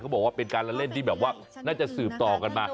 บอกว่าเป็นการละเล่นที่แบบว่าน่าจะสืบต่อกันมา